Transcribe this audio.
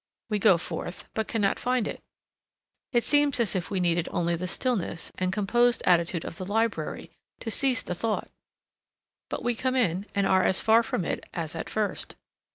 We go forth, but cannot find it. It seems as if we needed only the stillness and composed attitude of the library to seize the thought. But we come in, and are as far from it as at first.